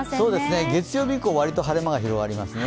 月曜日以降、割と晴れ間が広がりますね。